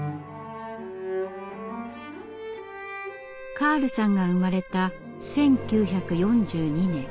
カールさんが生まれた１９４２年。